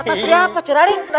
berada di mana